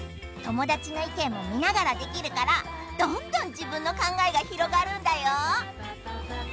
友達の意見も見ながらできるからどんどん自分の考えが広がるんだよ。